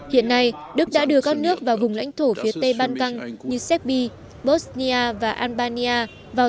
hiện nay đức đã đưa các nước vào vùng lãnh thổ phía tây ban căng như séc bi bosnia và albania vào